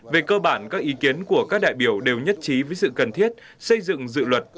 về cơ bản các ý kiến của các đại biểu đều nhất trí với sự cần thiết xây dựng dự luật